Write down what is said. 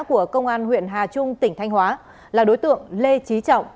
của công an huyện hà trung tỉnh thanh hóa là đối tượng lê trí trọng